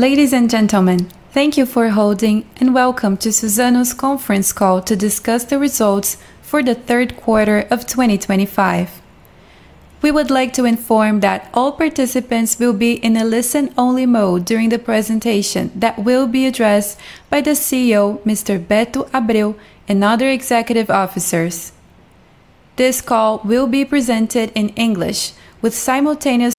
Ladies and gentlemen, thank you for holding, and welcome to Suzano's Conference Call to discuss the results for the third quarter of 2025. We would like to inform that all participants will be in a listen-only mode during the presentation that will be addressed by the CEO, Mr. Beto Abreu, and other executive officers. This call will be presented in English with simultaneous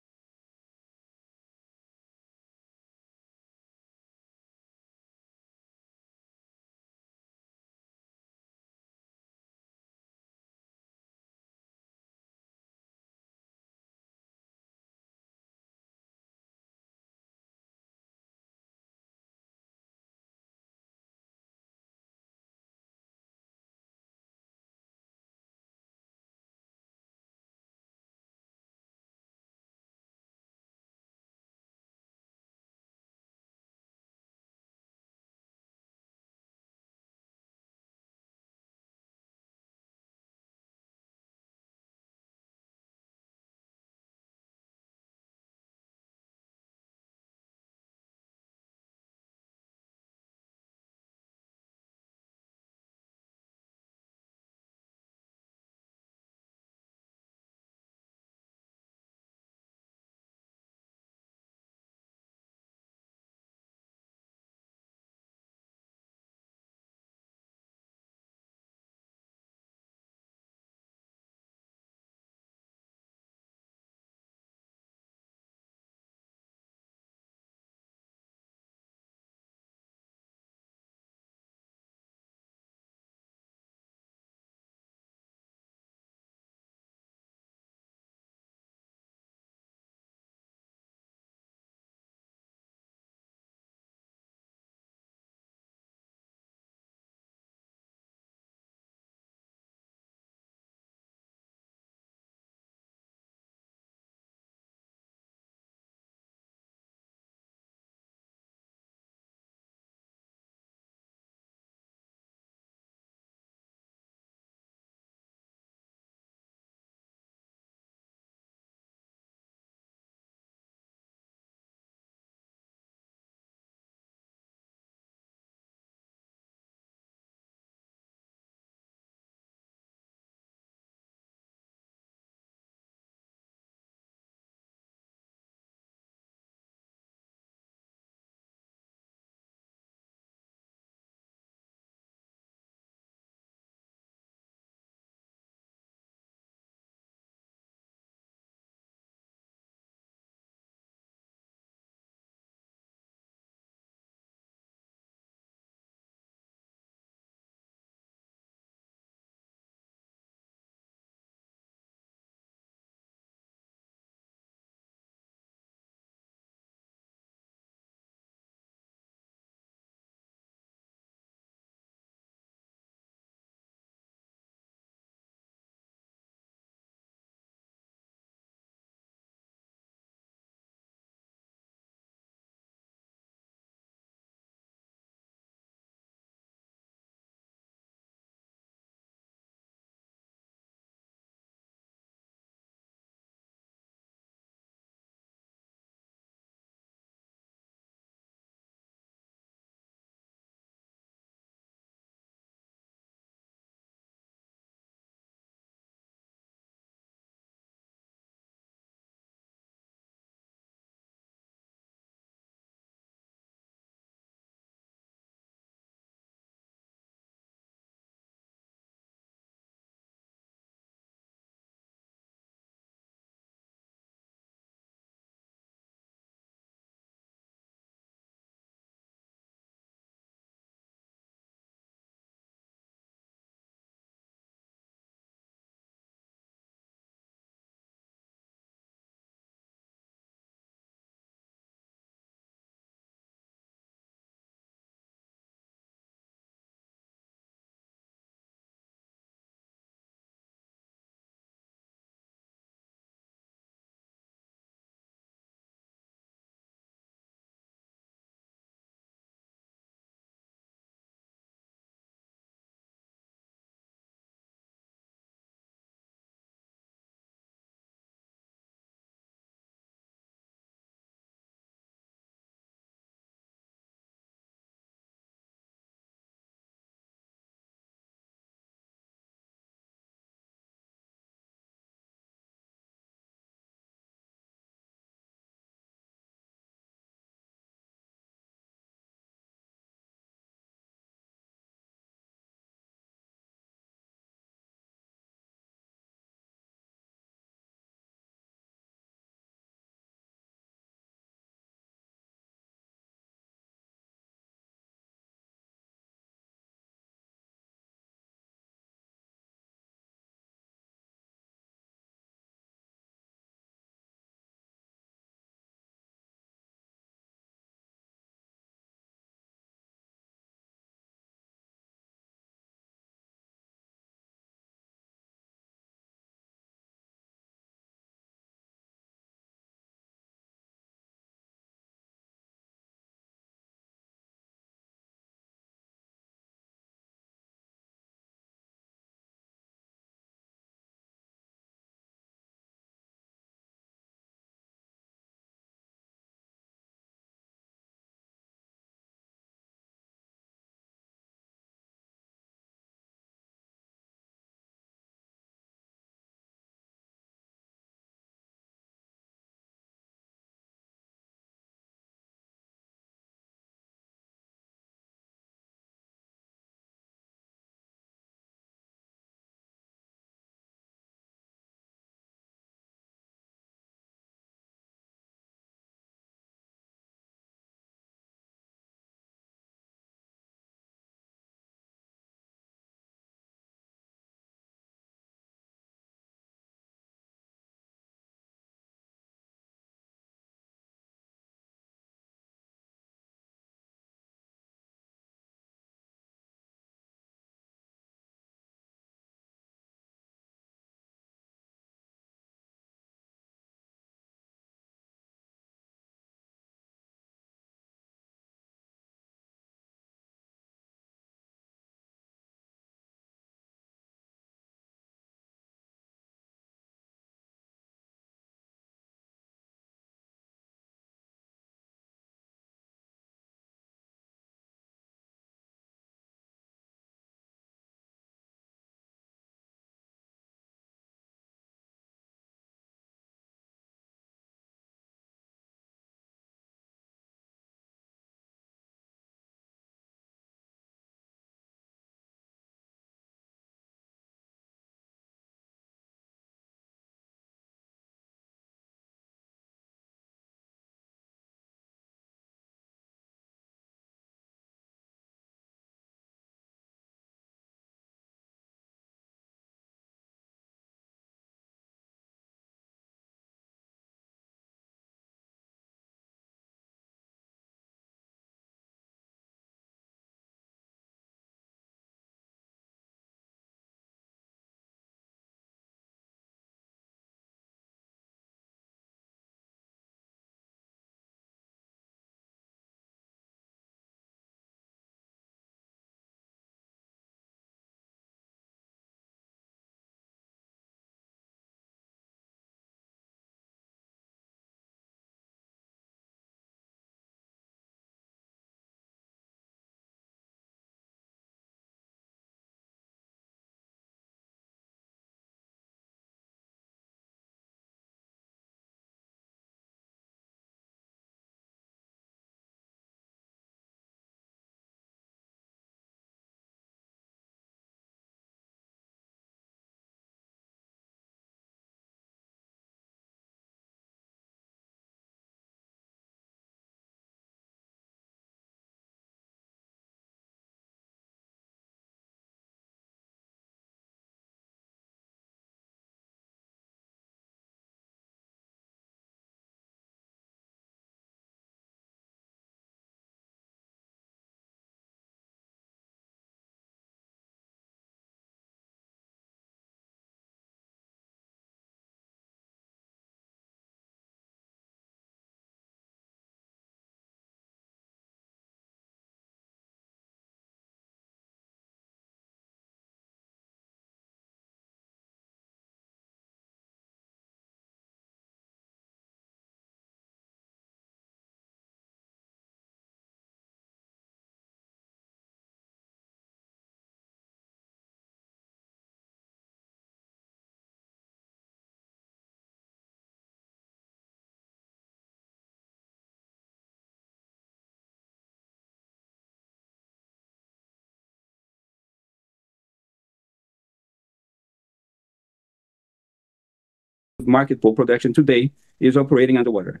Market for production today is operating underwater.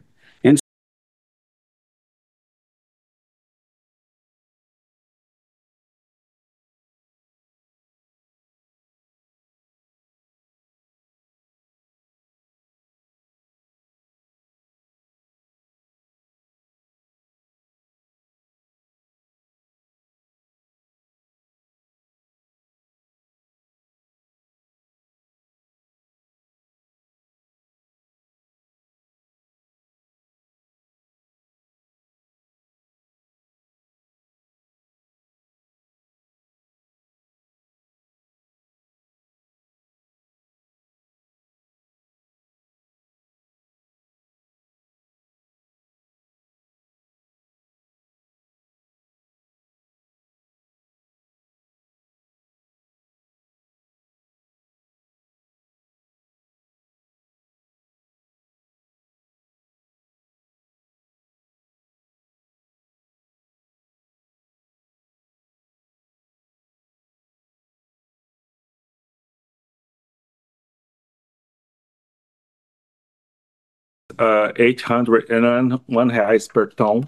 And 801 hectares,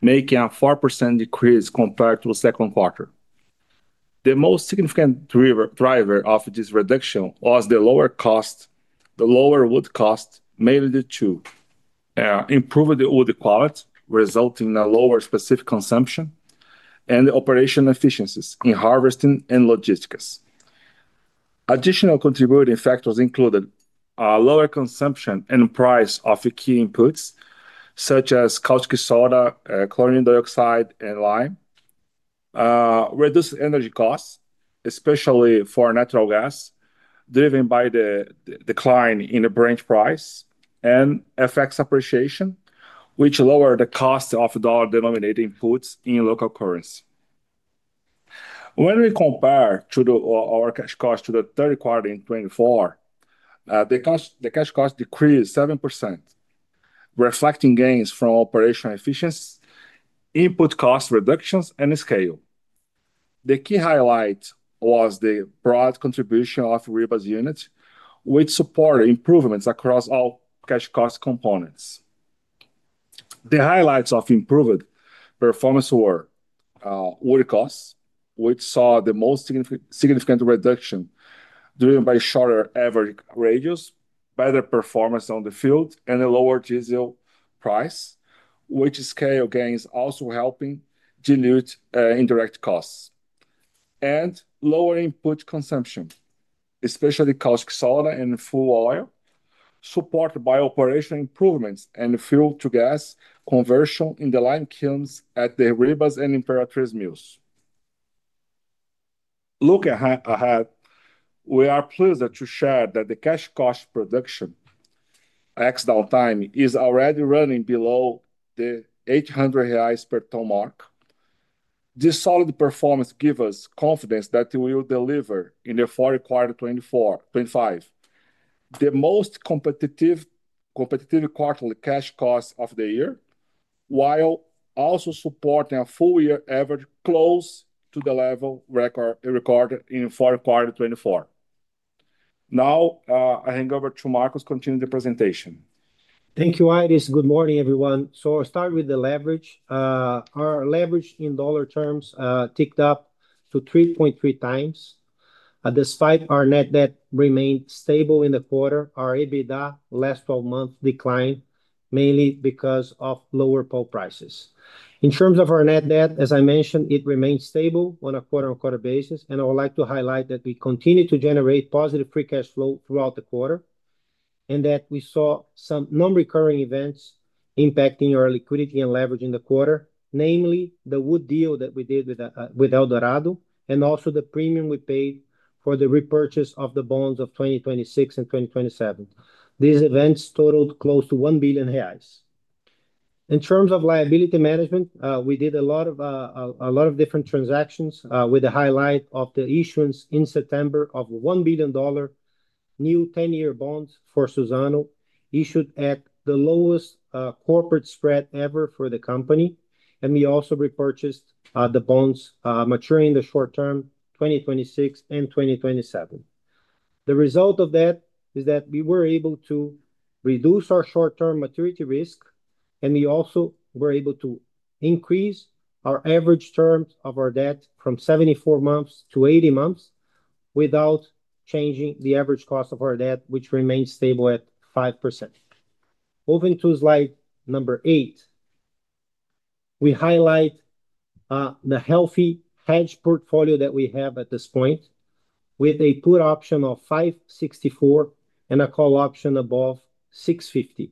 making a 4% decrease compared to the second quarter. The most significant driver of this reduction was the lower cost, the lower wood cost, mainly due to improving the wood quality, resulting in a lower specific consumption and the operational efficiencies in harvesting and logistics. Additional contributing factors included a lower consumption and price of key inputs such as caustic soda, chlorine dioxide, and lime, reduced energy costs, especially for natural gas, driven by the decline in the BRL price, and FX appreciation, which lowered the cost of dollar-denominated inputs in local currency. When we compare our cash cost to the third quarter in 2024, the cash cost decreased 7%, reflecting gains from operational efficiencies, input cost reductions, and scale. The key highlight was the broad contribution of Ribas units, which supported improvements across all cash cost components. The highlights of improved performance were wood costs, which saw the most significant reduction driven by shorter average radius, better performance on the field, and a lower diesel price, with scale gains also helping dilute indirect costs. Lower input consumption, especially caustic soda and fuel oil, supported by operational improvements and fuel-to-gas conversion in the lime kilns at the Ribas and Imperatriz mills. Looking ahead, we are pleased to share that the cash cost production ex-downtime is already running below the 800 reais per ton mark. This solid performance gives us confidence that we will deliver in the fourth quarter 2024-2025 the most competitive quarterly cash cost of the year, while also supporting a full year average close to the level recorded in fourth quarter 2024. Now, I hand over to Marcos to continue the presentation. Thank you, Iris. Good morning, everyone. I will start with the leverage. Our leverage in dollar terms ticked up to 3.3 times. Despite our net debt remained stable in the quarter, our EBITDA last 12 months declined mainly because of lower pulp prices. In terms of our net debt, as I mentioned, it remained stable on a quarter-on-quarter basis. I would like to highlight that we continue to generate positive free cash flow throughout the quarter and that we saw some non-recurring events impacting our liquidity and leverage in the quarter, namely the wood deal that we did with Eldorado Brasil and also the premium we paid for the repurchase of the bonds of 2026 and 2027. These events totaled close to 1 billion reais. In terms of liability management, we did a lot of different transactions with the highlight of the issuance in September of $1 billion new 10-year bonds for Suzano issued at the lowest corporate spread ever for the company. We also repurchased the bonds maturing in the short term, 2026 and 2027. The result of that is that we were able to reduce our short-term maturity risk, and we also were able to increase our average terms of our debt from 74 months to 80 months without changing the average cost of our debt, which remained stable at 5%. Moving to slide number eight, we highlight the healthy hedge portfolio that we have at this point with a put option of 564 and a call option above 650.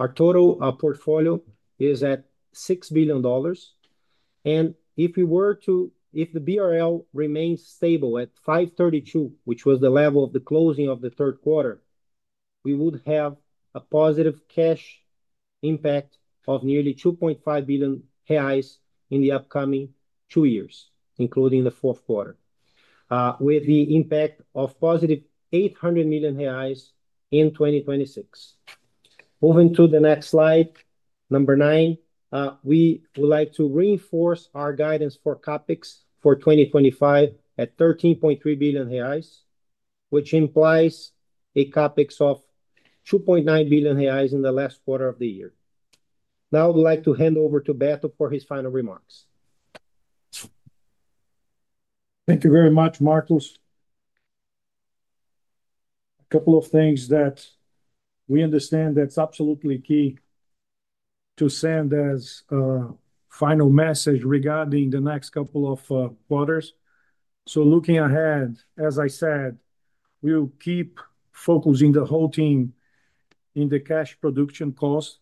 Our total portfolio is at $6 billion. If the BRL remains stable at 5.32, which was the level of the closing of the third quarter, we would have a positive cash impact of nearly 2.5 billion reais in the upcoming two years, including the fourth quarter, with the impact of positive 800 million reais in 2026. Moving to the next slide, number nine, we would like to reinforce our guidance for CAPEX for 2025 at 13.3 billion reais, which implies a CAPEX of 2.9 billion reais in the last quarter of the year. Now I would like to hand over to Beto for his final remarks. Thank you very much, Marcos. A couple of things that we understand that's absolutely key to send as a final message regarding the next couple of quarters. Looking ahead, as I said, we'll keep focusing the whole team in the cash production cost,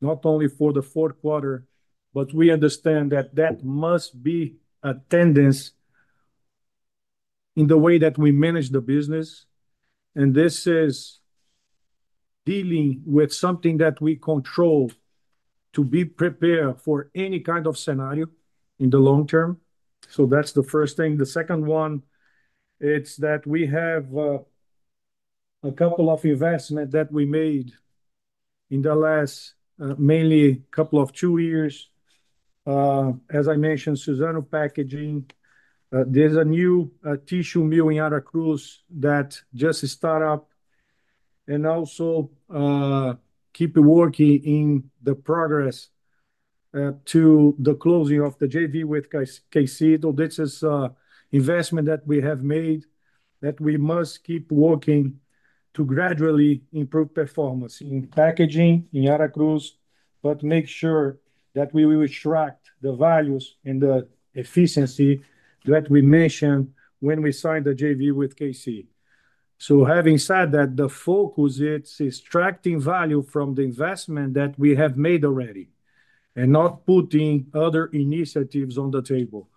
not only for the fourth quarter, but we understand that that must be a tendency in the way that we manage the business. This is dealing with something that we control to be prepared for any kind of scenario in the long term. That's the first thing. The second one, it's that we have a couple of investments that we made in the last mainly couple of two years. As I mentioned, Suzano Packaging, there's a new tissue mill in Aracruz that just started up and also keep working in the progress to the closing of the JV with Cascades. This is an investment that we have made that we must keep working to gradually improve performance in packaging in Aracruz, but make sure that we will extract the values and the efficiency that we mentioned when we signed the JV with Cascades. Having said that, the focus is extracting value from the investment that we have made already and not putting other initiatives on the table.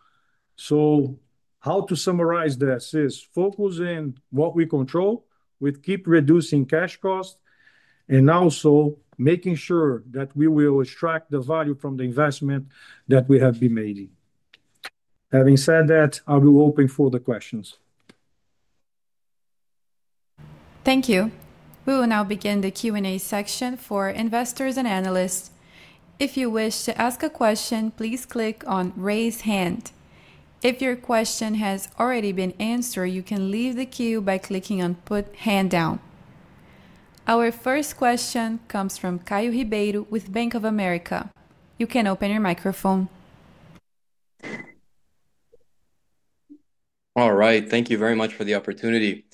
How to summarize this is focusing on what we control with keep reducing cash cost and also making sure that we will extract the value from the investment that we have been making. Having said that, I'll be open for the questions. Thank you. We will now begin the Q&A section for investors and analysts. If you wish to ask a question, please click on raise hand. If your question has already been answered, you can leave the queue by clicking on put hand down. Our first question comes from Caio Ribeiro with Bank of America. You can open your microphone. All right. Thank you very much for the opportunity.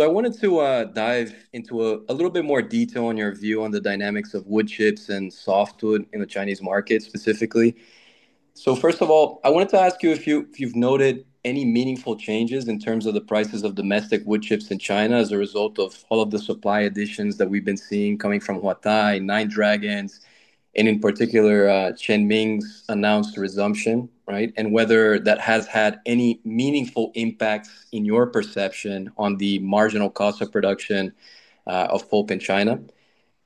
I wanted to dive into a little bit more detail on your view on the dynamics of wood chips and softwood in the Chinese market specifically. First of all, I wanted to ask you if you've noted any meaningful changes in terms of the prices of domestic wood chips in China as a result of all of the supply additions that we've been seeing coming from Huatai, Nine Dragons, and in particular, Chenming's announced resumption, right? Whether that has had any meaningful impacts in your perception on the marginal cost of production of pulp in China.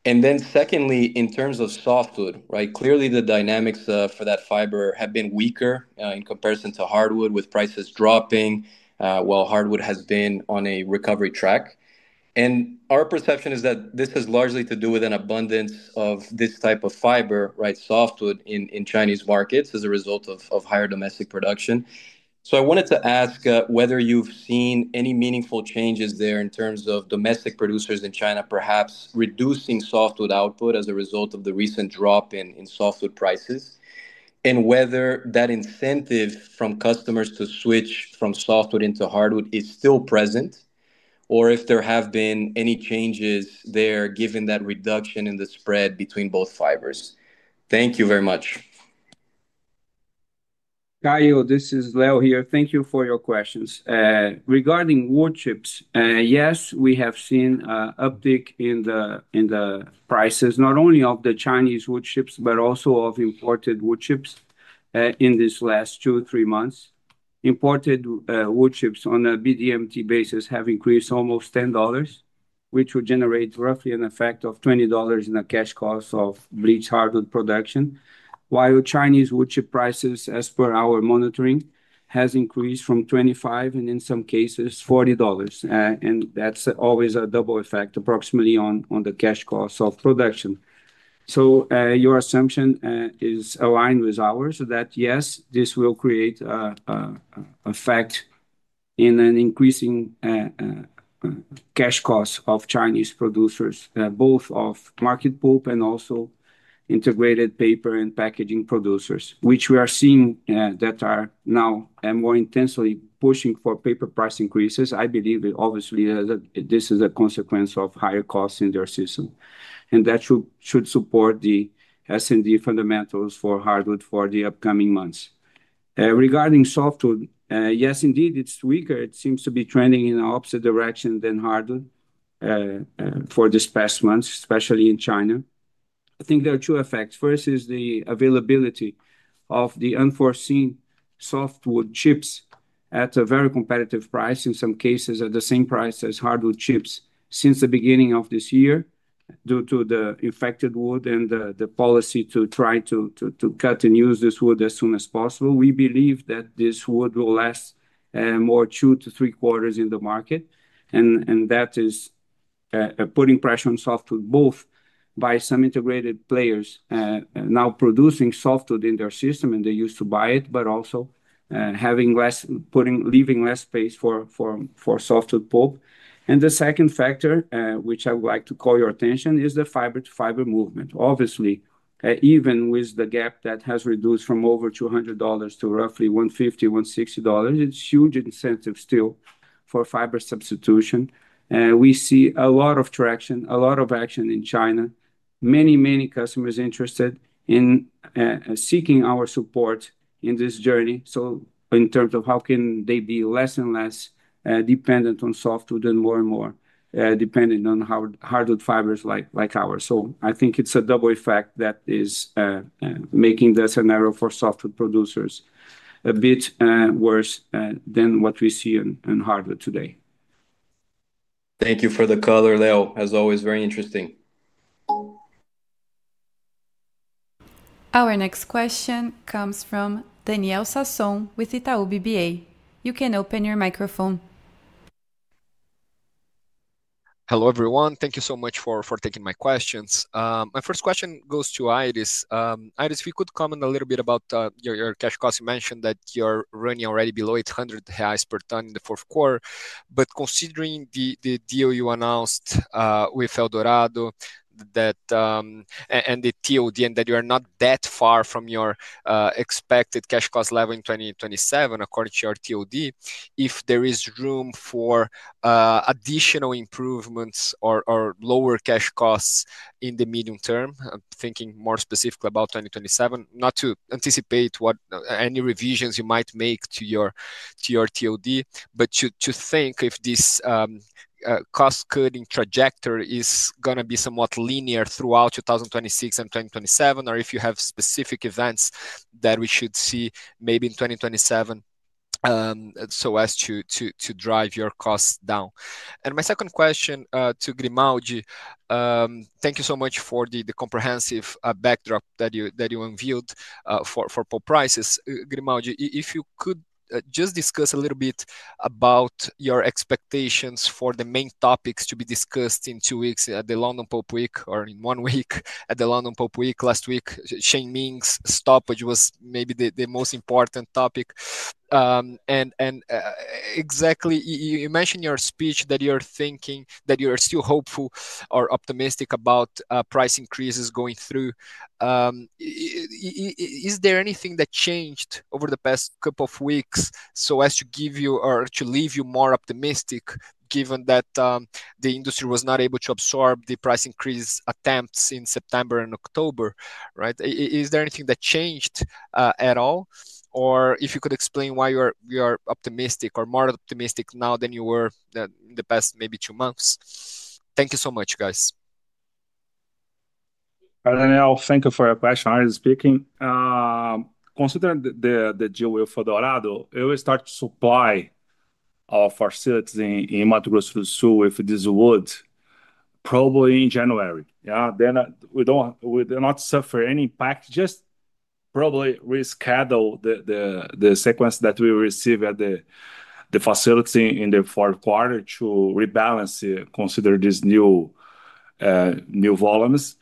Secondly, in terms of softwood, right? Clearly, the dynamics for that fiber have been weaker in comparison to hardwood with prices dropping while hardwood has been on a recovery track. Our perception is that this has largely to do with an abundance of this type of fiber, right? Softwood in Chinese markets as a result of higher domestic production. I wanted to ask whether you've seen any meaningful changes there in terms of domestic producers in China perhaps reducing softwood output as a result of the recent drop in softwood prices and whether that incentive from customers to switch from softwood into hardwood is still present or if there have been any changes there given that reduction in the spread between both fibers. Thank you very much. Caio, this is Leo here. Thank you for your questions. Regarding wood chips, yes, we have seen an uptick in the prices not only of the Chinese wood chips but also of imported wood chips in these last two, three months. Imported wood chips on a BDMT basis have increased almost $10, which would generate roughly an effect of $20 in the cash cost of bleached hardwood production, while Chinese wood chip prices, as per our monitoring, have increased from $25 and in some cases, $40. That is always a double effect approximately on the cash cost of production. Your assumption is aligned with ours that yes, this will create an effect in an increasing cash cost of Chinese producers, both of market pulp and also integrated paper and packaging producers, which we are seeing that are now more intensely pushing for paper price increases. I believe obviously that this is a consequence of higher costs in their system, and that should support the S&D fundamentals for hardwood for the upcoming months. Regarding softwood, yes, indeed, it is weaker. It seems to be trending in an opposite direction than hardwood for this past month, especially in China. I think there are two effects. First is the availability of the unforeseen softwood chips at a very competitive price, in some cases at the same price as hardwood chips since the beginning of this year due to the infected wood and the policy to try to cut and use this wood as soon as possible. We believe that this wood will last more two to three quarters in the market. That is putting pressure on softwood both by some integrated players now producing softwood in their system and they used to buy it, but also having less, leaving less space for softwood pulp. The second factor, which I would like to call your attention, is the fiber-to-fiber movement. Obviously, even with the gap that has reduced from over $200 to roughly $150-$160, it's a huge incentive still for fiber substitution. We see a lot of traction, a lot of action in China, many, many customers interested in seeking our support in this journey. In terms of how can they be less and less dependent on softwood and more and more dependent on hardwood fibers like ours. I think it's a double effect that is making the scenario for softwood producers a bit worse than what we see in hardwood today. Thank you for the color, Leo. As always, very interesting. Our next question comes from Danielle Sasson with Itaú BBA. You can open your microphone. Hello everyone. Thank you so much for taking my questions. My first question goes to Iris. Iris, if you could comment a little bit about your cash cost. You mentioned that you're running already below 800 reais per ton in the fourth quarter. Considering the deal you announced with Eldorado and the TOD and that you are not that far from your expected cash cost level in 2027, according to your TOD, if there is room for additional improvements or lower cash costs in the medium term, thinking more specifically about 2027, not to anticipate any revisions you might make to your TOD, but to think if this cost-cutting trajectory is going to be somewhat linear throughout 2026 and 2027, or if you have specific events that we should see maybe in 2027 so as to drive your costs down. My second question to Grimaldi, thank you so much for the comprehensive backdrop that you unveiled for pulp prices. Grimaldi, if you could just discuss a little bit about your expectations for the main topics to be discussed in two weeks at the London Pulp Week or in one week at the London Pulp Week. Last week, Chenming Paper's stoppage was maybe the most important topic. Exactly, you mentioned in your speech that you're thinking that you're still hopeful or optimistic about price increases going through. Is there anything that changed over the past couple of weeks so as to give you or to leave you more optimistic given that the industry was not able to absorb the price increase attempts in September and October, right? Is there anything that changed at all? If you could explain why you are optimistic or more optimistic now than you were in the past maybe two months. Thank you so much, guys. Danielle, thank you for your question. Iris speaking. Considering the deal with Eldorado Brasil, we start to supply our facilities in Mato Grosso do Sul with this wood probably in January. We do not suffer any impact, just probably reschedule the sequence that we receive at the facility in the fourth quarter to rebalance, consider these new volumes.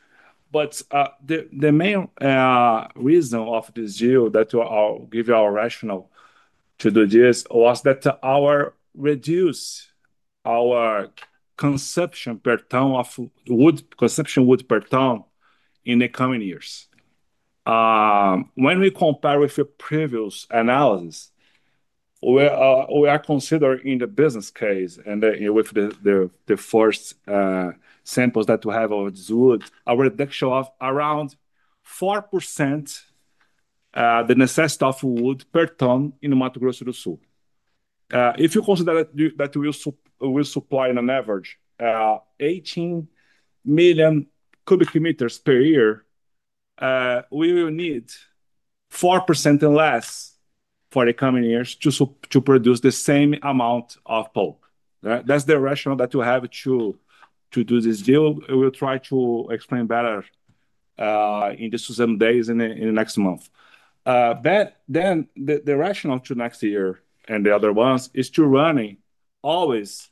The main reason of this deal that I'll give you our rationale to do this was that we reduce our consumption per ton of wood, consumption wood per ton in the coming years. When we compare with the previous analysis, we are considering in the business case and with the first samples that we have of this wood, our reduction of around 4% the necessity of wood per ton in Mato Grosso do Sul. If you consider that we will supply on average 18 million cubic meters per year, we will need 4% less for the coming years to produce the same amount of pulp. That's the rationale that we have to do this deal. We'll try to explain better in the Suzano days in the next month. The rationale to next year and the other ones is to running always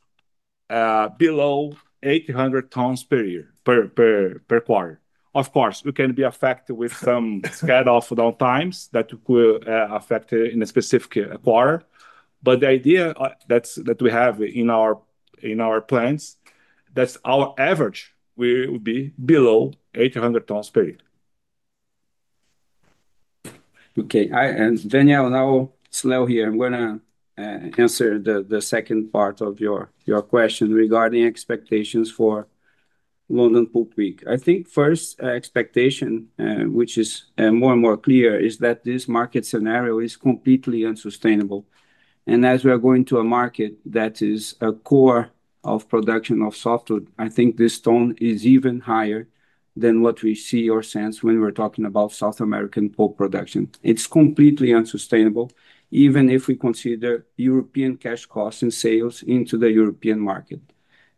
below 800 BRL per ton, per quarter. Of course, we can be affected with some scale of downtimes that will affect in a specific quarter. The idea that we have in our plans, that's our average, we will be below 800 BRL per ton per year. Okay. Danielle, now it's Leo here. I'm going to answer the second part of your question regarding expectations for London Pulp Week. I think first expectation, which is more and more clear, is that this market scenario is completely unsustainable. As we are going to a market that is a core of production of softwood, I think this tone is even higher than what we see or sense when we're talking about South American pulp production. It's completely unsustainable, even if we consider European cash costs and sales into the European market.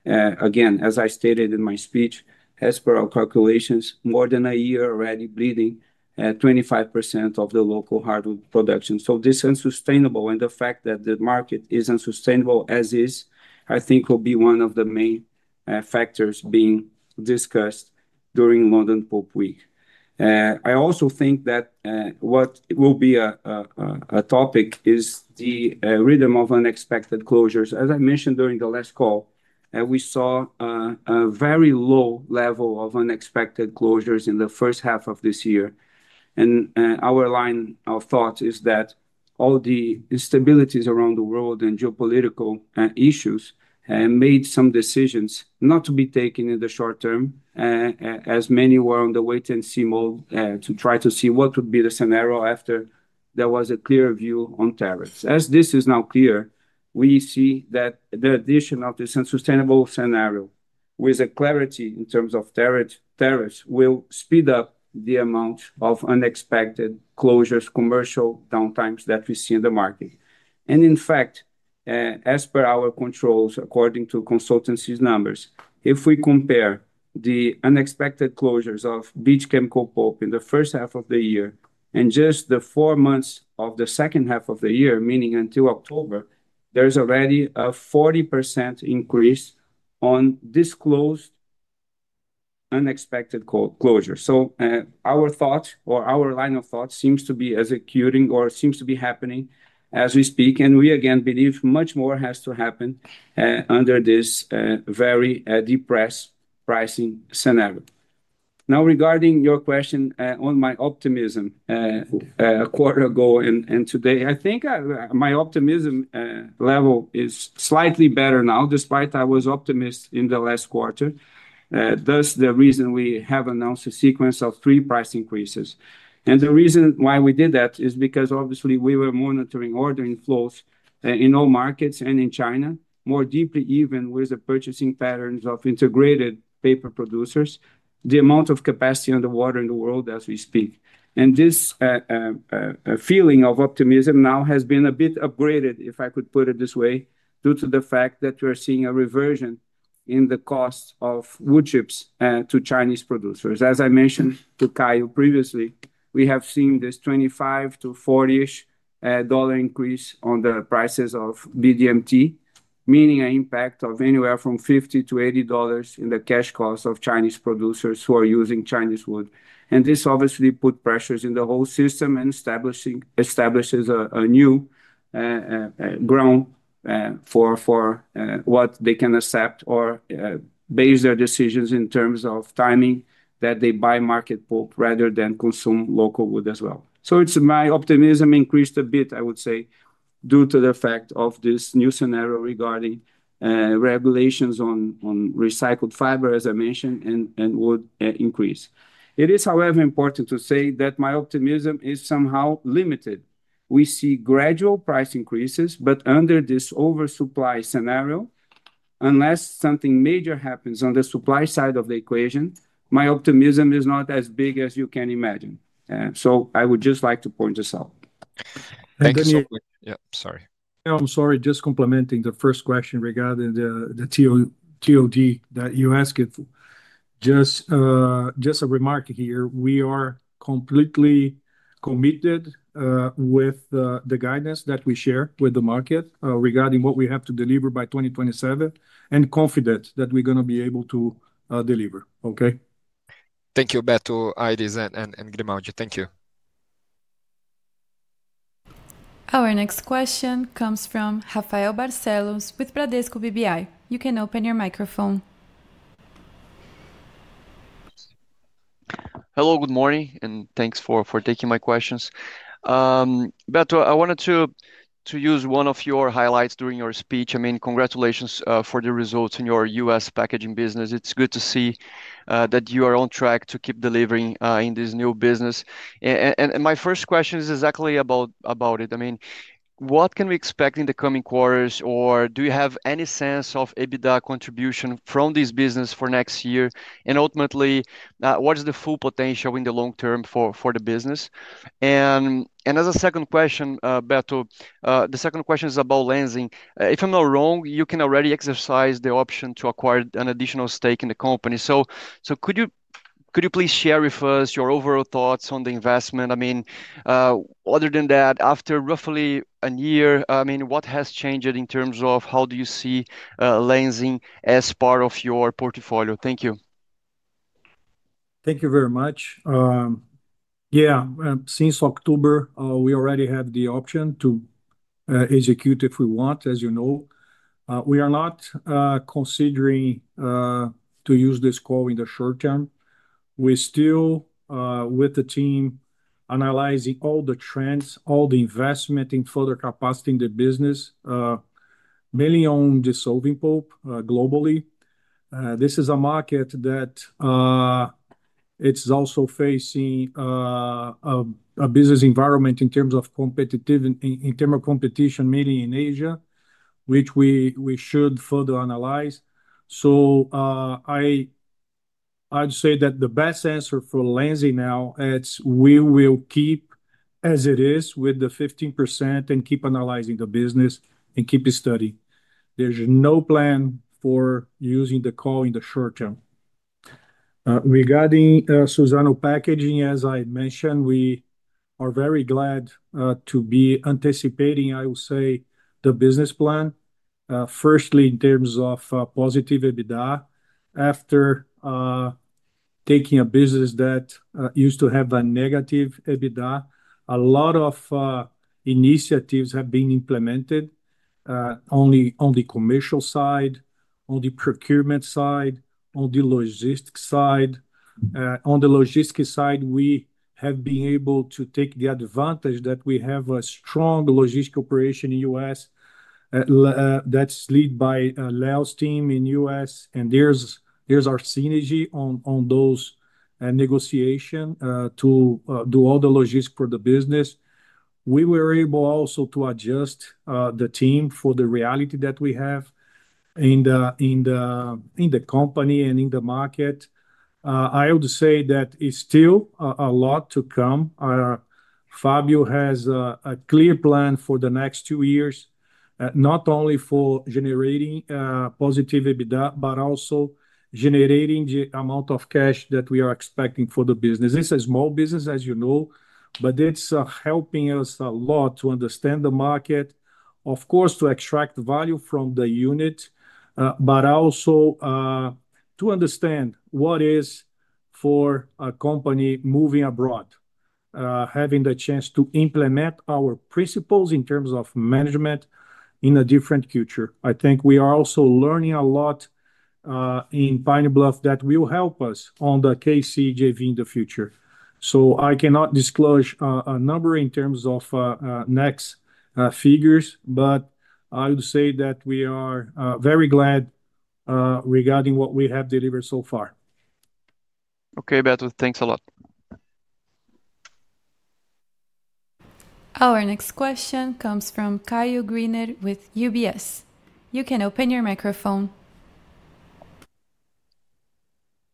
Again, as I stated in my speech, as per our calculations, more than a year already bleeding 25% of the local hardwood production. This is unsustainable. The fact that the market is unsustainable as is, I think will be one of the main factors being discussed during London Pulp Week. I also think that what will be a topic is the rhythm of unexpected closures. As I mentioned during the last call, we saw a very low level of unexpected closures in the first half of this year. Our line of thought is that all the instabilities around the world and geopolitical issues made some decisions not to be taken in the short term, as many were on the wait-and-see mode to try to see what would be the scenario after there was a clear view on tariffs. As this is now clear, we see that the addition of this unsustainable scenario with a clarity in terms of tariffs will speed up the amount of unexpected closures, commercial downtimes that we see in the market. In fact, as per our controls, according to consultancy's numbers, if we compare the unexpected closures of bleached chemical pulp in the first half of the year and just the four months of the second half of the year, meaning until October, there is already a 40% increase on disclosed unexpected closures. Our thought or our line of thought seems to be executing or seems to be happening as we speak. We again believe much more has to happen under this very depressed pricing scenario. Now, regarding your question on my optimism a quarter ago and today, I think my optimism level is slightly better now, despite I was optimist in the last quarter. Thus, the reason we have announced a sequence of three price increases. The reason why we did that is because obviously we were monitoring ordering flows in all markets and in China, more deeply even with the purchasing patterns of integrated paper producers, the amount of capacity underwater in the world as we speak. This feeling of optimism now has been a bit upgraded, if I could put it this way, due to the fact that we're seeing a reversion in the cost of wood chips to Chinese producers. As I mentioned to Caio previously, we have seen this $25-$40-ish increase on the prices of BDMT, meaning an impact of anywhere from $50-$80 in the cash cost of Chinese producers who are using Chinese wood. This obviously put pressures in the whole system and establishes a new ground for what they can accept or base their decisions in terms of timing that they buy market pulp rather than consume local wood as well. My optimism increased a bit, I would say, due to the fact of this new scenario regarding regulations on recycled fiber, as I mentioned, and would increase. It is, however, important to say that my optimism is somehow limited. We see gradual price increases, but under this oversupply scenario, unless something major happens on the supply side of the equation, my optimism is not as big as you can imagine. I would just like to point this out. Thank you. Yeah, sorry. I'm sorry, just complementing the first question regarding the TOD that you asked. Just a remark here. We are completely committed with the guidance that we share with the market regarding what we have to deliver by 2027 and confident that we're going to be able to deliver. Okay. Thank you both to Iris and Grimaldi. Thank you. Our next question comes from Rafael Barcellos with Bradesco BBI. You can open your microphone. Hello, good morning, and thanks for taking my questions. I wanted to use one of your highlights during your speech. I mean, congratulations for the results in your US packaging business. It's good to see that you are on track to keep delivering in this new business. My first question is exactly about it. I mean, what can we expect in the coming quarters, or do you have any sense of EBITDA contribution from this business for next year? Ultimately, what is the full potential in the long term for the business? As a second question, Beto, the second question is about Lenzing. If I'm not wrong, you can already exercise the option to acquire an additional stake in the company. Could you please share with us your overall thoughts on the investment? I mean, other than that, after roughly a year, what has changed in terms of how you see Lenzing as part of your portfolio? Thank you. Thank you very much. Yeah, since October, we already have the option to execute if we want, as you know. We are not considering to use this call in the short term. We're still with the team analyzing all the trends, all the investment in further capacity in the business, mainly on dissolving pulp globally. This is a market that it's also facing a business environment in terms of competition, mainly in Asia, which we should further analyze. I'd say that the best answer for Lenzing now, we will keep as it is with the 15% and keep analyzing the business and keep studying. There's no plan for using the call in the short term. Regarding Suzano Packaging, as I mentioned, we are very glad to be anticipating, I will say, the business plan, firstly in terms of positive EBITDA. After taking a business that used to have a negative EBITDA, a lot of initiatives have been implemented on the commercial side, on the procurement side, on the logistics side. On the logistics side, we have been able to take the advantage that we have a strong logistics operation in the US that's led by Leo's team in the US. There is our synergy on those negotiations to do all the logistics for the business. We were able also to adjust the team for the reality that we have in the company and in the market. I would say that it is still a lot to come. Fabio has a clear plan for the next two years, not only for generating positive EBITDA, but also generating the amount of cash that we are expecting for the business. It is a small business, as you know, but it is helping us a lot to understand the market, of course, to extract value from the unit, but also to understand what it is for a company moving abroad, having the chance to implement our principles in terms of management in a different future. I think we are also learning a lot in Pine Bluff that will help us on the KCJV in the future. I cannot disclose a number in terms of next figures, but I would say that we are very glad regarding what we have delivered so far. Okay, Beto, thanks a lot. Our next question comes from Caio Greener with UBS. You can open your microphone.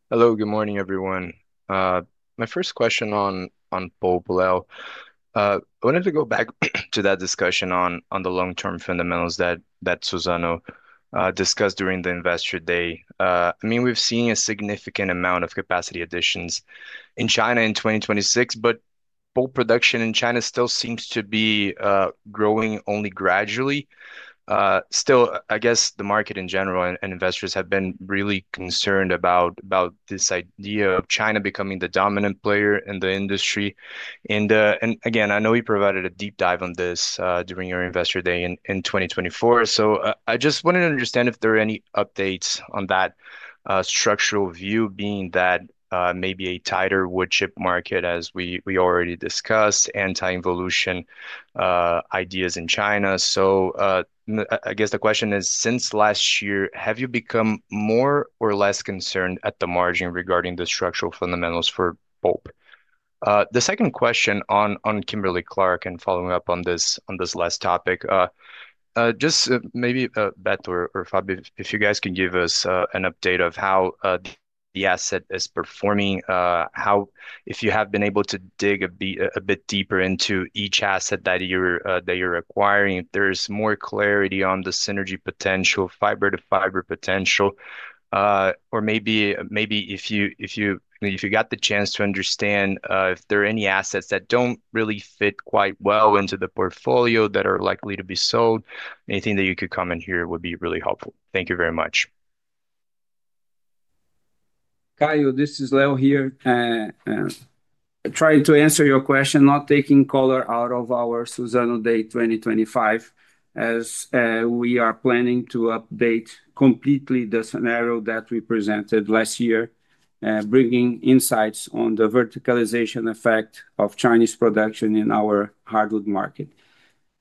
Hello, good morning, everyone. My first question on pulp, Leo, I wanted to go back to that discussion on the long-term fundamentals that Suzano discussed during the investor day. I mean, we've seen a significant amount of capacity additions in China in 2026, but pulp production in China still seems to be growing only gradually. Still, I guess the market in general and investors have been really concerned about this idea of China becoming the dominant player in the industry. Again, I know you provided a deep dive on this during your investor day in 2024. I just wanted to understand if there are any updates on that structural view, being that maybe a tighter wood chip market, as we already discussed, anti-evolution ideas in China. I guess the question is, since last year, have you become more or less concerned at the margin regarding the structural fundamentals for pulp? The second question on Kimberly-Clark and following up on this last topic, just maybe Beto or Fabio, if you guys can give us an update of how the asset is performing, if you have been able to dig a bit deeper into each asset that you're acquiring, if there's more clarity on the synergy potential, fiber-to-fiber potential, or maybe if you got the chance to understand if there are any assets that do not really fit quite well into the portfolio that are likely to be sold, anything that you could comment here would be really helpful. Thank you very much. Caio, this is Leo here. Trying to answer your question, not taking color out of our Suzano Day 2025, as we are planning to update completely the scenario that we presented last year, bringing insights on the verticalization effect of Chinese production in our hardwood market.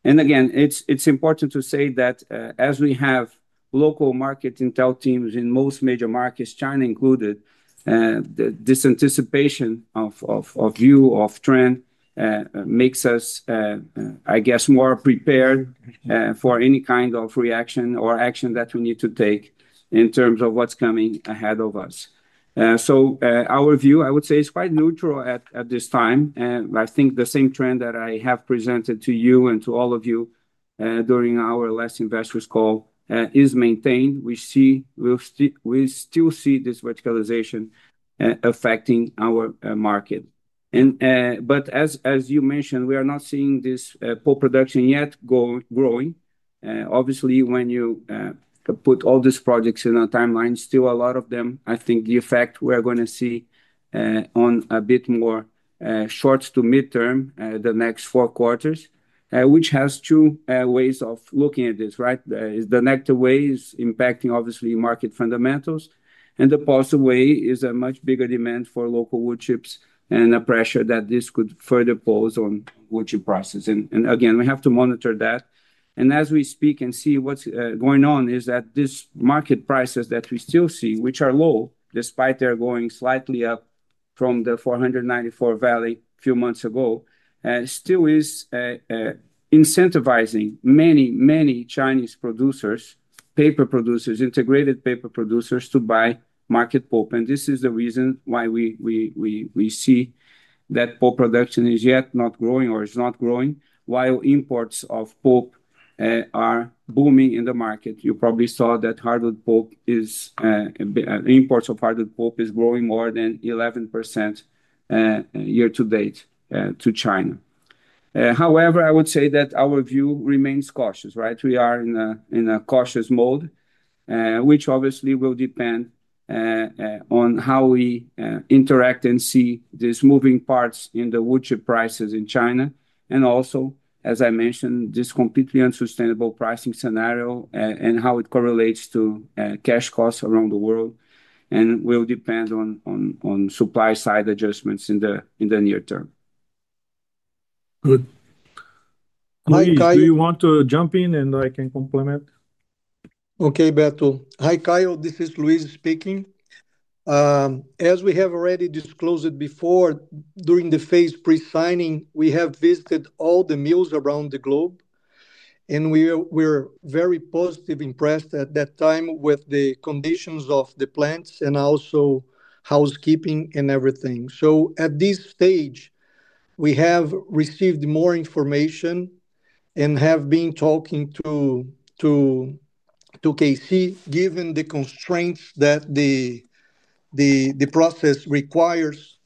It is important to say that as we have local market intel teams in most major markets, China included, this anticipation of view of trend makes us, I guess, more prepared for any kind of reaction or action that we need to take in terms of what is coming ahead of us. Our view, I would say, is quite neutral at this time. I think the same trend that I have presented to you and to all of you during our last investors call is maintained. We still see this verticalization affecting our market. As you mentioned, we are not seeing this pulp production yet growing. Obviously, when you put all these projects in a timeline, still a lot of them, I think the effect we're going to see on a bit more short to midterm the next four quarters, which has two ways of looking at this, right? The negative way is impacting, obviously, market fundamentals. The positive way is a much bigger demand for local wood chips and a pressure that this could further pose on wood chip prices. Again, we have to monitor that. As we speak and see what's going on, is that this market prices that we still see, which are low despite their going slightly up from the 494 valley a few months ago, still is incentivizing many, many Chinese producers, paper producers, integrated paper producers to buy market pulp. This is the reason why we see that pulp production is yet not growing or is not growing while imports of pulp are booming in the market. You probably saw that hardwood pulp, imports of hardwood pulp is growing more than 11% year-to-date to China. However, I would say that our view remains cautious, right? We are in a cautious mode, which obviously will depend on how we interact and see these moving parts in the wood chip prices in China. Also, as I mentioned, this completely unsustainable pricing scenario and how it correlates to cash costs around the world and will depend on supply side adjustments in the near term. Good. Mike, do you want to jump in and I can complement? Okay, Beto. Hi, Caio, this is Luis speaking. As we have already disclosed before, during the phase pre-signing, we have visited all the mills around the globe. We were very positively impressed at that time with the conditions of the plants and also housekeeping and everything. At this stage, we have received more information and have been talking to KC given the constraints that the process requires.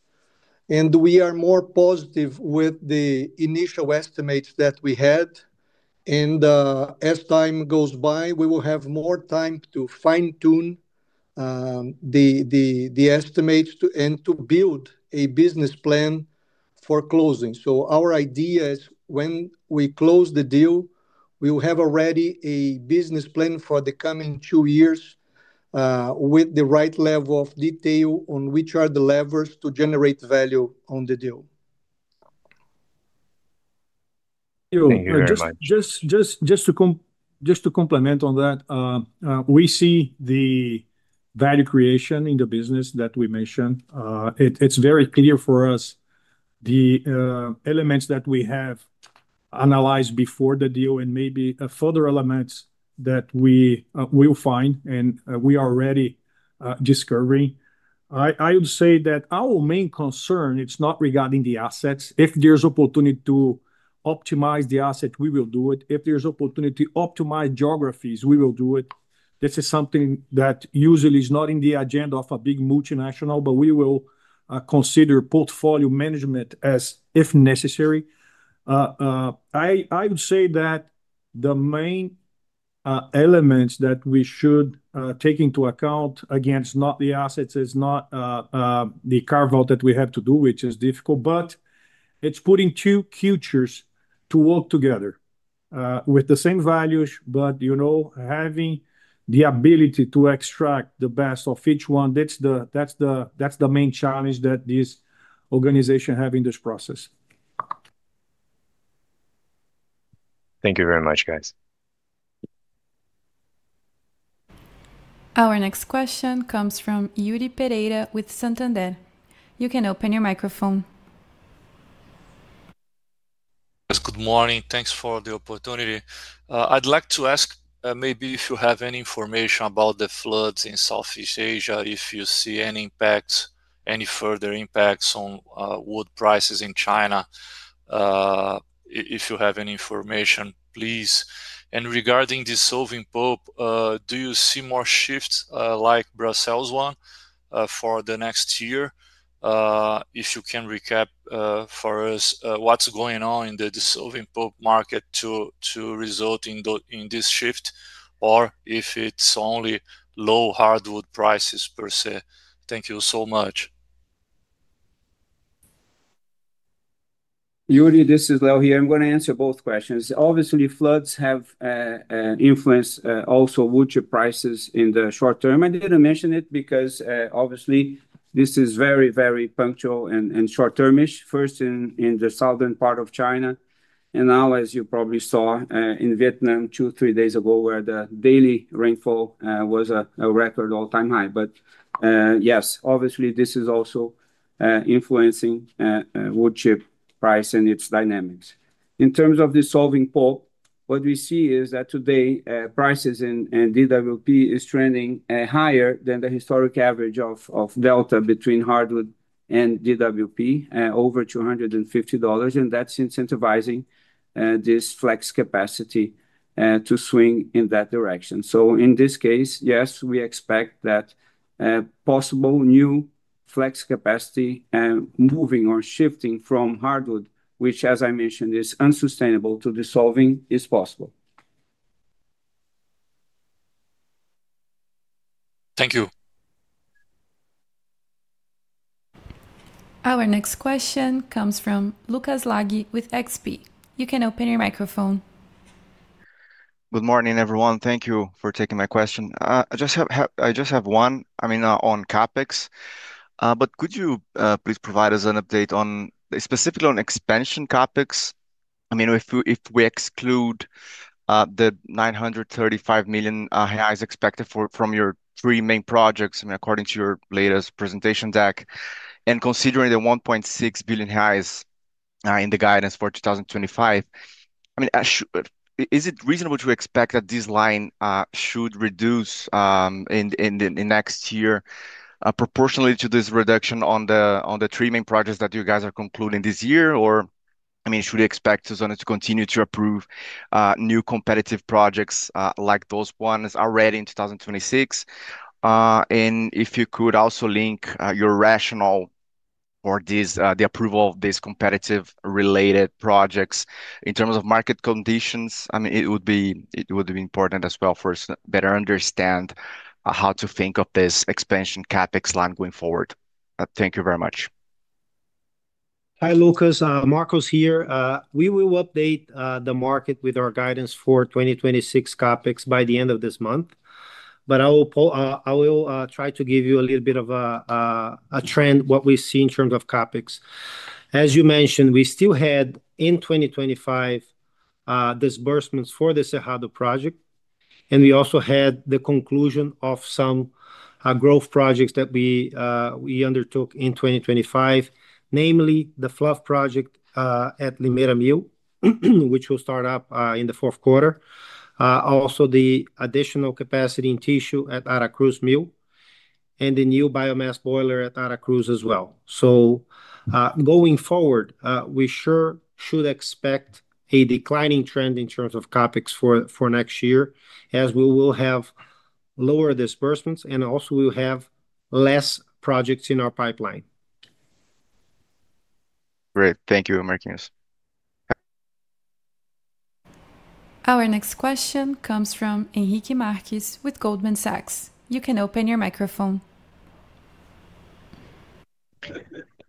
We are more positive with the initial estimates that we had. As time goes by, we will have more time to fine-tune the estimates and to build a business plan for closing. Our idea is when we close the deal, we will have already a business plan for the coming two years with the right level of detail on which are the levers to generate value on the deal. Just to complement on that, we see the value creation in the business that we mentioned. It's very clear for us the elements that we have analyzed before the deal and maybe further elements that we will find and we are already discovering. I would say that our main concern, it's not regarding the assets. If there's opportunity to optimize the asset, we will do it. If there's opportunity to optimize geographies, we will do it. This is something that usually is not in the agenda of a big multinational, but we will consider portfolio management as if necessary. I would say that the main elements that we should take into account, again, it's not the assets, it's not the carve-out that we have to do, which is difficult, but it's putting two futures to work together with the same values, but having the ability to extract the best of each one. That's the main challenge that this organization has in this process. Thank you very much, guys. Our next question comes from Yuri Pereira with Santander. You can open your microphone. Good morning. Thanks for the opportunity. I'd like to ask maybe if you have any information about the floods in Southeast Asia, if you see any impacts, any further impacts on wood prices in China. If you have any information, please. Regarding dissolving pulp, do you see more shifts like Brazil's one for the next year? If you can recap for us what's going on in the dissolving pulp market to result in this shift or if it's only low hardwood prices per se. Thank you so much. Yuri, this is Leo here. I'm going to answer both questions. Obviously, floods have influenced also wood chip prices in the short term. I didn't mention it because obviously this is very, very punctual and short-termish. First in the southern part of China. Now, as you probably saw in Vietnam two or three days ago where the daily rainfall was a record all-time high. Yes, obviously this is also influencing wood chip price and its dynamics. In terms of dissolving pulp, what we see is that today prices and DWP is trending higher than the historic average of delta between hardwood and DWP over $250. That is incentivizing this flex capacity to swing in that direction. In this case, yes, we expect that possible new flex capacity moving or shifting from hardwood, which, as I mentioned, is unsustainable to dissolving, is possible. Thank you. Our next question comes from Lucas Lagi with XP. You can open your microphone. Good morning, everyone. Thank you for taking my question. I just have one, I mean, on CAPEX. Could you please provide us an update specifically on expansion CAPEX? I mean, if we exclude the 935 million highs expected from your three main projects, I mean, according to your latest presentation deck, and considering the 1.6 billion highs in the guidance for 2025, I mean, is it reasonable to expect that this line should reduce in the next year proportionally to this reduction on the three main projects that you guys are concluding this year? I mean, should you expect Suzano to continue to approve new competitive projects like those ones already in 2026? If you could also link your rationale for the approval of these competitive-related projects in terms of market conditions, I mean, it would be important as well for us to better understand how to think of this expansion CAPEX line going forward. Thank you very much. Hi, Lucas. Marcos here. We will update the market with our guidance for 2026 CAPEX by the end of this month. But I will try to give you a little bit of a trend, what we see in terms of CAPEX. As you mentioned, we still had in 2025 disbursements for the Cerrado project. And we also had the conclusion of some growth projects that we undertook in 2025, namely the fluff project at Limeira Mill, which will start up in the fourth quarter. Also, the additional capacity in tissue at Aracruz Mill and the new biomass boiler at Aracruz as well. Going forward, we sure should expect a declining trend in terms of CAPEX for next year as we will have lower disbursements and also we will have less projects in our pipeline. Great. Thank you, Marcos. Our next question comes from Enrique Marquez with Goldman Sachs. You can open your microphone.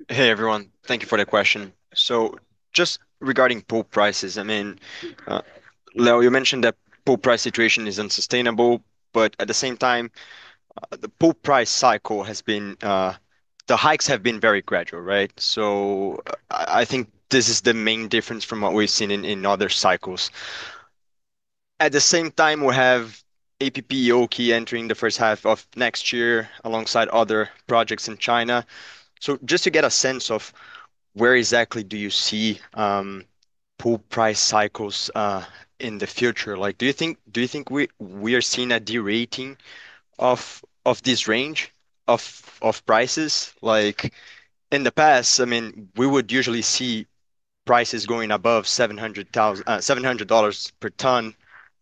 Hey, everyone. Thank you for the question. So just regarding pulp prices, I mean, Leo, you mentioned that pulp price situation is unsustainable, but at the same time, the pulp price cycle has been, the hikes have been very gradual, right? I think this is the main difference from what we've seen in other cycles. At the same time, we have APPOK entering the first half of next year alongside other projects in China. Just to get a sense of where exactly do you see pulp price cycles in the future? Do you think we are seeing a derating of this range of prices? In the past, I mean, we would usually see prices going above $700 per ton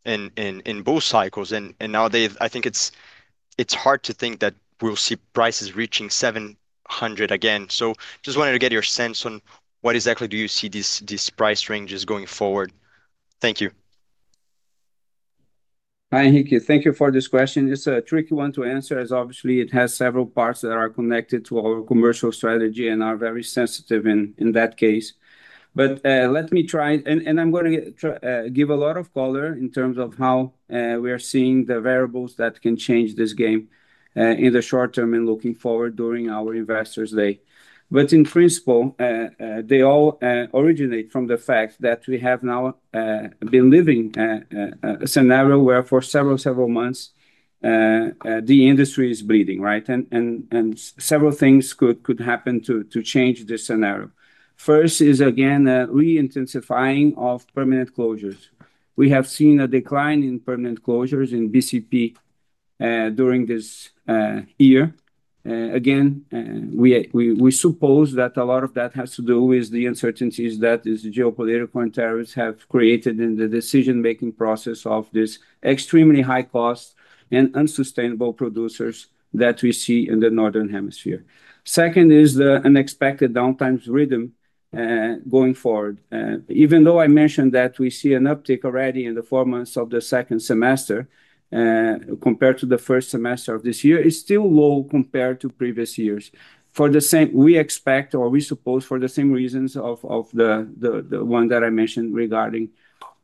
in both cycles. Nowadays, I think it's hard to think that we'll see prices reaching $700 again. Just wanted to get your sense on what exactly do you see these price ranges going forward? Thank you. Hi, Enrique. Thank you for this question. It's a tricky one to answer as obviously it has several parts that are connected to our commercial strategy and are very sensitive in that case. Let me try, and I'm going to give a lot of color in terms of how we are seeing the variables that can change this game in the short term and looking forward during our investors' day. In principle, they all originate from the fact that we have now been living a scenario where for several, several months, the industry is bleeding, right? Several things could happen to change this scenario. First is, again, re-intensifying of permanent closures. We have seen a decline in permanent closures in BCP during this year. Again, we suppose that a lot of that has to do with the uncertainties that these geopolitical interests have created in the decision-making process of these extremely high-cost and unsustainable producers that we see in the northern hemisphere. Second is the unexpected downtime rhythm going forward. Even though I mentioned that we see an uptick already in the four months of the second semester compared to the first semester of this year, it's still low compared to previous years. For the same, we expect or we suppose for the same reasons of the one that I mentioned regarding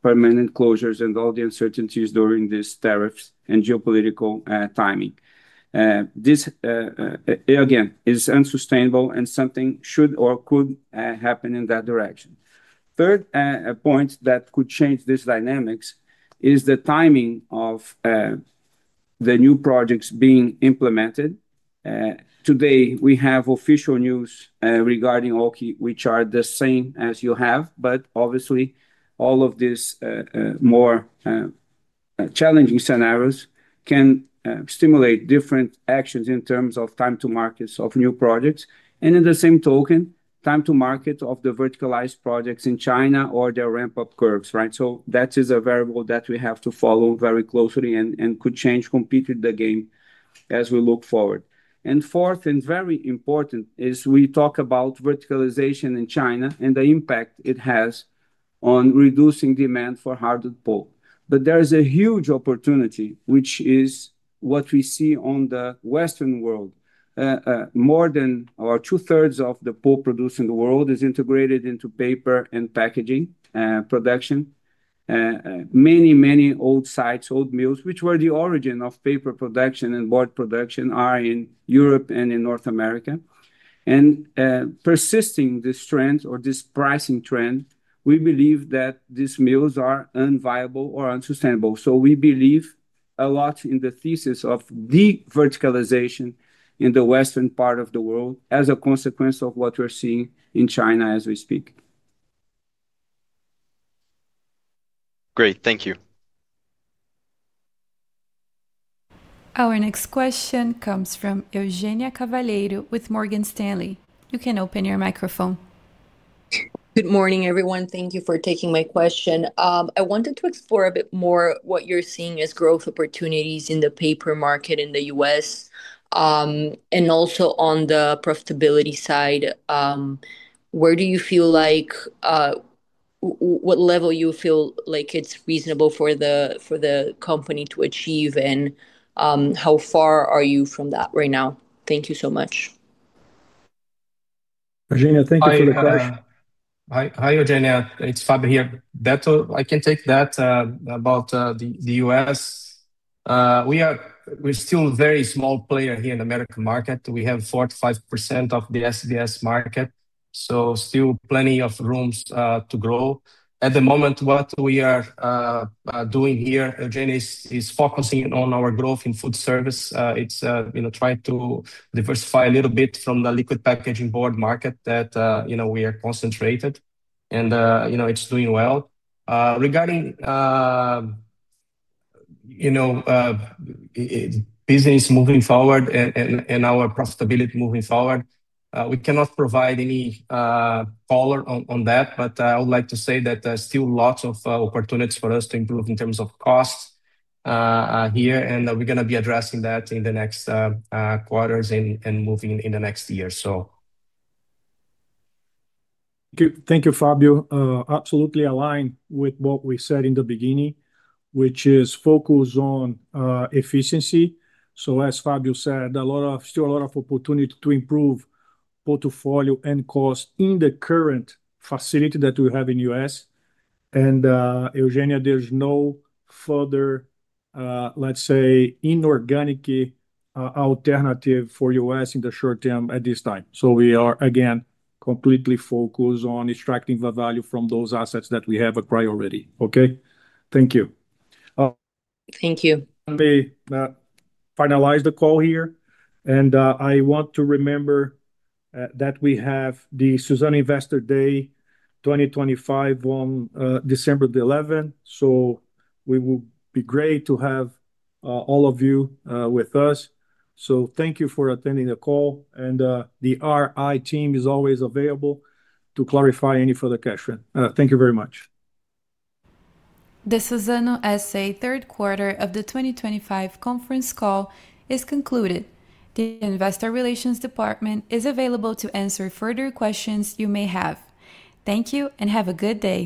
permanent closures and all the uncertainties during these tariffs and geopolitical timing. This, again, is unsustainable and something should or could happen in that direction. Third point that could change these dynamics is the timing of the new projects being implemented. Today, we have official news regarding OKI, which are the same as you have, but obviously, all of these more challenging scenarios can stimulate different actions in terms of time to markets of new projects. In the same token, time to market of the verticalized projects in China or their ramp-up curves, right? That is a variable that we have to follow very closely and could change completely the game as we look forward. Fourth and very important is we talk about verticalization in China and the impact it has on reducing demand for hardwood pulp. There is a huge opportunity, which is what we see on the Western world. More than two-thirds of the pulp produced in the world is integrated into paper and packaging production. Many, many old sites, old mills, which were the origin of paper production and board production are in Europe and in North America. Persisting this trend or this pricing trend, we believe that these mills are unviable or unsustainable. We believe a lot in the thesis of de-verticalization in the Western part of the world as a consequence of what we're seeing in China as we speak. Great. Thank you. Our next question comes from Eugenia Cavallero with Morgan Stanley. You can open your microphone. Good morning, everyone. Thank you for taking my question. I wanted to explore a bit more what you're seeing as growth opportunities in the paper market in the US and also on the profitability side. Where do you feel like what level you feel like it's reasonable for the company to achieve and how far are you from that right now? Thank you so much. Eugenia, thank you for the question. Hi, Eugenia. It's Fabio here. I can take that about the U.S. We're still a very small player here in the American market. We have 45% of the SBS market, so still plenty of rooms to grow. At the moment, what we are doing here, Eugenia, is focusing on our growth in food service. It's trying to diversify a little bit from the liquid packaging board market that we are concentrated. It's doing well. Regarding business moving forward and our profitability moving forward, we cannot provide any color on that, but I would like to say that there are still lots of opportunities for us to improve in terms of cost here, and we're going to be addressing that in the next quarters and moving in the next year. Thank you, Fabio. Absolutely aligned with what we said in the beginning, which is focus on efficiency. As Fabio said, still a lot of opportunity to improve portfolio and cost in the current facility that we have in the US. Eugenia, there is no further, let's say, inorganic alternative for the US in the short term at this time. We are, again, completely focused on extracting the value from those assets that we have a priority. Okay? Thank you. Thank you. Let me finalize the call here. I want to remember that we have the Suzano Investor Day 2025 on December 11. It will be great to have all of you with us. Thank you for attending the call. The RI team is always available to clarify any further questions. Thank you very much. The Suzano S.A. third quarter of the 2025 conference call is concluded. The investor relations department is available to answer further questions you may have. Thank you and have a good day.